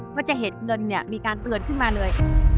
ก็จะเห็นเงินมีการเปลือนขึ้นมาเลย